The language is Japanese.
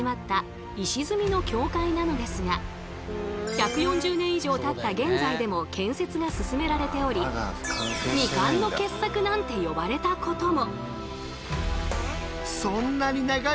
１４０年以上たった現在でも建設が進められており「未完の傑作」なんて呼ばれたことも。